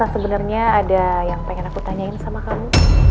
sebenarnya ada yang pengen aku tanyain sama kamu